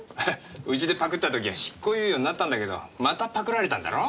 うちでパクった時は執行猶予になったんだけどまたパクられたんだろ？